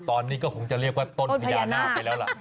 ตอนนี้ก็คงจะเรียกว่าต้นพญานาคไปแล้วล่ะ